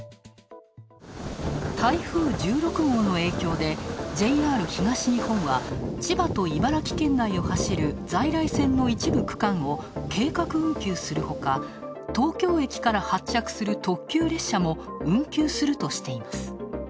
台風１６号の影響でＪＲ東日本は千葉と茨城県内を走る在来線の一部区間を計画運休するほか、東京駅から発着する特急列車も運休するとしています。